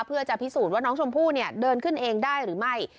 เพื่อจะพิสูจน์ว่าน้องชมพู่เนี่ยเดินขึ้นเองได้หรือไม่